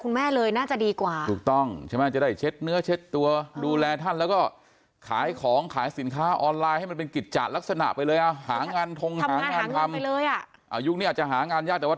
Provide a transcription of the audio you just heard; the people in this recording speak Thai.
กำไรจากการขายเครื่องรางของขลังเดือนหนึ่งก็ได้สักประมาณ๒๐๐๐บาทก็เท่านั้นแหละ